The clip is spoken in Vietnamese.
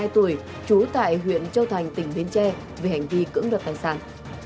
hai mươi hai tuổi chú tại huyện châu thành tỉnh bến tre về hành vi cưỡng đợt thải sản